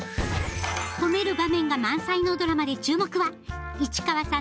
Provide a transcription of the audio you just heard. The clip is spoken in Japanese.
ほめる場面が満載のドラマで注目は市川さんのコスプレ